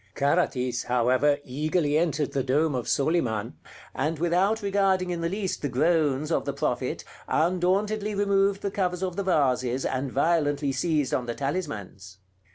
Carathis, however, eagerly entered the dome of Soliman, and without regarding in the least the groans of the Prophet, undauntedly removed the covers of the vases, and violently seized on the talismans.